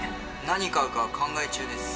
何買うか考え中です。